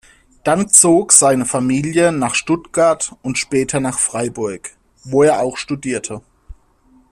Dann zog seine Familie nach Stuttgart und später nach Freiburg, wo er auch studierte.